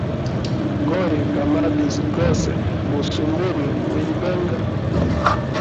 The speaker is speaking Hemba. Goya ga mabizi gose gu sumbule mu ibenga.